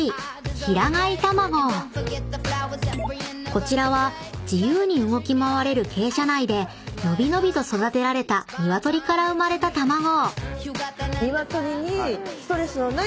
［こちらは自由に動き回れる鶏舎内でのびのびと育てられた鶏から生まれたたまご］